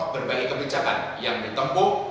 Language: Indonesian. berbagai kebijakan yang ditempuh